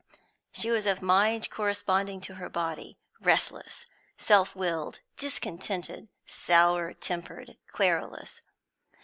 She was of mind corresponding to her body; restless, self willed, discontented, sour tempered, querulous.